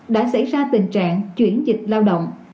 đã xảy ra tình trạng chuyển dịch lao động